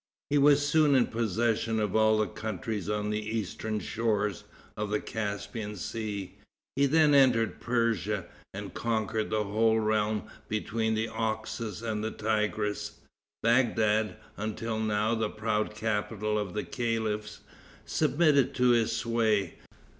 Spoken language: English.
He was soon in possession of all the countries on the eastern shores of the Caspian Sea. He then entered Persia, and conquered the whole realm between the Oxus and the Tigris. Bagdad, until now the proud capital of the caliphs, submitted to his sway.